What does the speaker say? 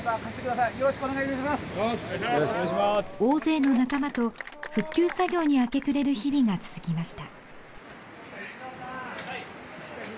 大勢の仲間と復旧作業に明け暮れる日々が続きました。